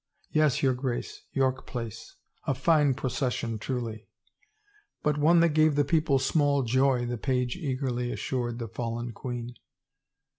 " Yes, your Grace, York Place." "A fine procession, truly." " But one that gave the people small joy," the page eagerly assured the fallen queen.